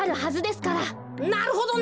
なるほどな！